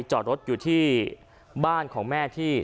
จอดรถอยู่ที่บ้านของแม่ที่